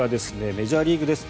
メジャーリーグです。